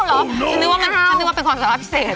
เตี้ยไม่เอาเหรอฉันนึกว่าเป็นความสามารถพิเศษ